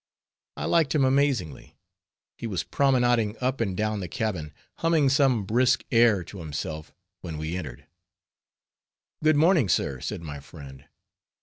I liked him amazingly. He was promenading up and down the cabin, humming some brisk air to himself when we entered. "Good morning, sir," said my friend.